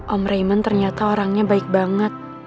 om rayment ternyata orangnya baik banget